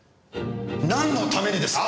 なんのためにです？